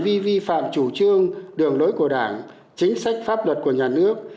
vi vi phạm chủ trương đường lối của đảng chính sách pháp luật của nhà nước